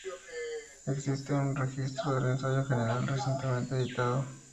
Existe un registro del ensayo general, recientemente editado.